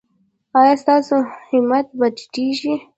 ایا ستاسو همت به ټیټیږي؟